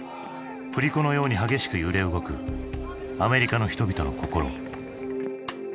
振り子のように激しく揺れ動くアメリカの人々の心。